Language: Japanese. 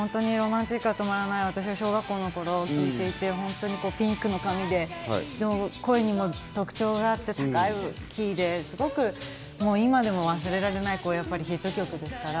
『Ｒｏｍａｎｔｉｃが止まらない』は、私、小学校の頃聴いていて、ピンクの髪で声にも特徴があって、高いキーで今でも忘れられないヒット曲ですから。